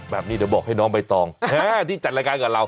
แบบนี้เดี๋ยวบอกให้น้องใบตองที่จัดรายการกับเรา